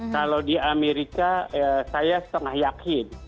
kalau di amerika saya setengah yakin